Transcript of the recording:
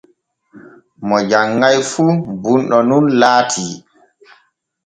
Mo janŋai fu bunɗo nun laati.